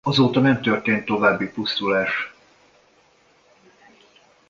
Azóta nem történt további pusztulás.